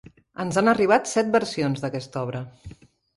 Ens han arribat set versions d'aquesta obra.